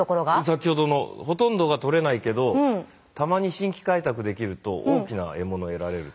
先ほどのほとんどがとれないけどたまに新規開拓できると大きな獲物を得られる。